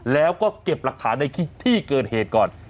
แล้วก็เก็บหลักฐานในที่เกิดเหตุก่อน